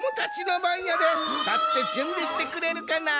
たってじゅんびしてくれるかな。